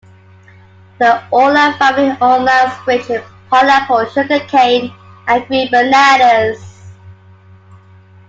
The Aulet family owned lands rich in pineapples, sugar cane, and green bananas.